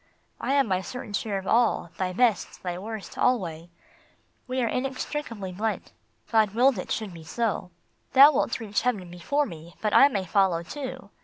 I have my certain share of all, thy best, thy worst, alway : We are inextricably blent. God willed it should be so. " Thou wilt reach heaven before me, but I may follow too.